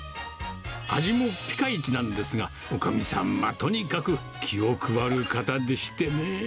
味もぴかいちなんですが、おかみさんはとにかく気を配る方でしてね。